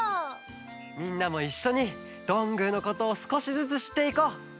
みんなもいっしょにどんぐーのことをすこしずつしっていこう！